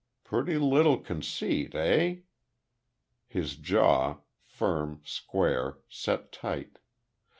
Pretty little conceit, eh?" His jaw, firm, square, set tight.